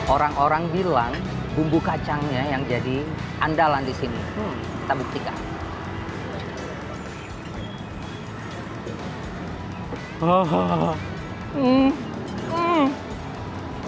orang orang bilang bumbu kacangnya yang jadi andalan di sini kita buktikan